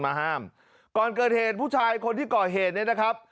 มาห้ามก่อนเกิดเหตุผู้ชายคนที่ก่อเหตุเนี่ยนะครับ